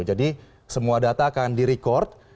jadi semua data akan direkord